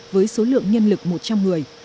với số lượng nhân lực một trăm linh người